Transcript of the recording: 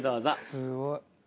すごい。